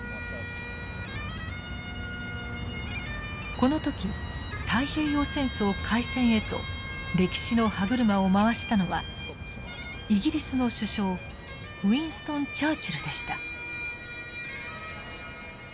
この時太平洋戦争開戦へと歴史の歯車を回したのはイギリスの首相ウィンストン・チャーチルでした。